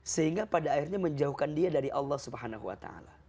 sehingga pada akhirnya menjauhkan dia dari allah swt